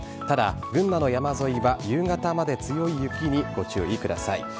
ただ、群馬の山沿いは夕方まで強い雪にご注意ください。